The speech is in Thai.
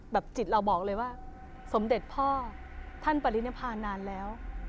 จิตเราบอกเลยว่าสมเด็จพ่อท่านปริณภานานแล้ว